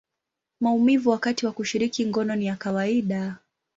maumivu wakati wa kushiriki ngono ni ya kawaida.